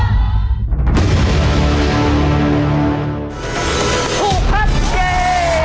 ถูกพัดเก่ง